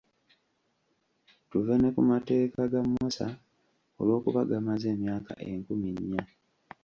Tuve ne ku mateeka ga Musa olw'okuba gamaze emyaka enkumi nya?